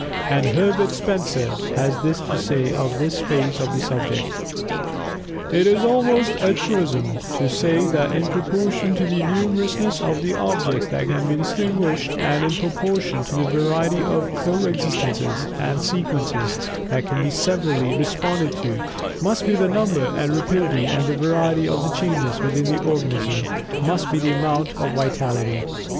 And Herbert Spencer, has this to say of this phase of the subject, "It is almost a truism to say that in proportion to the numerousness of the objects that can be distinguished, and in proportion to the variety of coexistences and sequences that can be severally responded to, must be the number and rapidity and variety of the changes within the organism must be the amount of vitality."